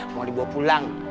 mau dibawa pulang